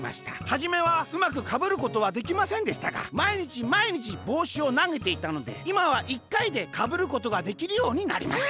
はじめはうまくかぶることはできませんでしたがまいにちまいにちぼうしをなげていたのでいまは１かいでかぶることができるようになりました」。